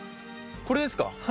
これですか？